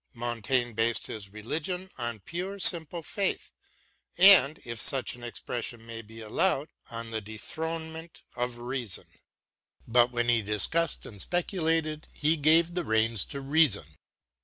Montaigne based his religion on pure, simple faith and, if such an expression may be allowed, on the dethronement of reason. But when he discussed and speculated he gave the reins to reason.